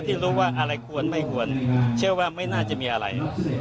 ที่รู้ว่าอะไรควรไม่ควรเชื่อว่าไม่น่าจะมีอะไร